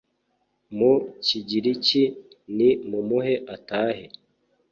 Mu kigiriki ni mumuhe atahe